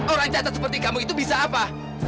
orang catat seperti kamu itu bisa apa